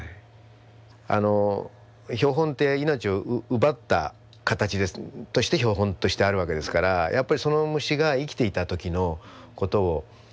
標本って命を奪った形として標本としてあるわけですからやっぱりその虫が生きていた時のことをきちんと表現してあげるというか。